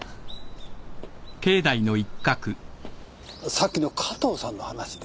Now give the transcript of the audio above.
さっきの加藤さんの話ですがね。